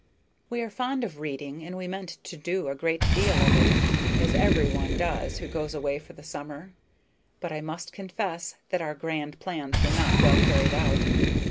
We are fond of reading, and we meant to do a great deal of it, as every one does who goes away for the summer; but I must confess that our grand plans were not well carried out.